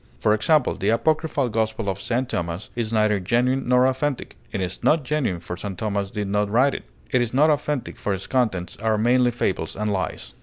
For example, the apocryphal Gospel of St. Thomas is neither 'genuine' nor 'authentic.' It is not 'genuine,' for St. Thomas did not write it; it is not 'authentic,' for its contents are mainly fables and lies.